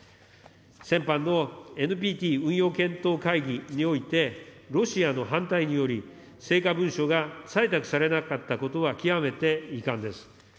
先般のＮＰＴ運用検討会議において、ロシアの反対により、成果文書が採択されなかったことは極めて遺憾です。